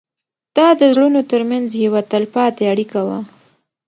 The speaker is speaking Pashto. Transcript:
دا د زړونو تر منځ یوه تلپاتې اړیکه وه.